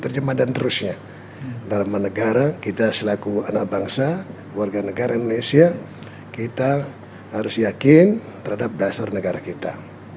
terjemah dan terusnya dharma negara kita selaku anak bangsa warga negara indonesia kita harus yakin terhadap dasar negara kita